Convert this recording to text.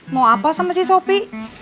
mau apa sama si sopi